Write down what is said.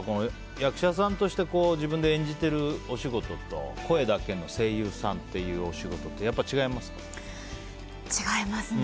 役者さんとして自分で演じているお仕事と声だけの声優さんというお仕事と違いますね。